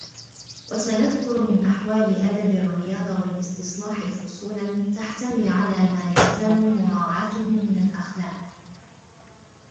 وَسَنَذْكُرُ مِنْ أَحْوَالِ أَدَبِ الرِّيَاضَةِ وَالِاسْتِصْلَاحِ فُصُولًا تَحْتَوِي عَلَى مَا يَلْزَمُ مُرَاعَاتُهُ مِنْ الْأَخْلَاقِ